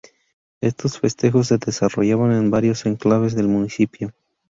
Estos festejos se desarrollaban en varios enclaves del municipio.